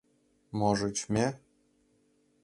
— Можыч, ме?